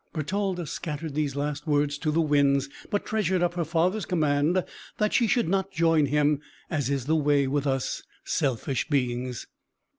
Bertalda scattered these last words to the winds, but treasured up her father's command that she should not join him: as is the way with us selfish beings.